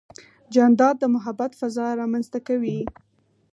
جانداد د محبت فضا رامنځته کوي.